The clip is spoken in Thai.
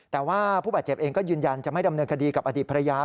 แต่ว่าผู้บาดเจ็บเองก็ยืนยันจะไม่ดำเนินคดีกับอดีตภรรยา